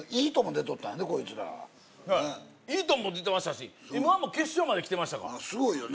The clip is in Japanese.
出とったんやでこいついいとも！も出てましたしＭ−１も決勝まで来てましたからすごいよね